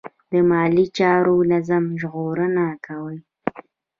د مالي چارو نظم ژغورنه کوي.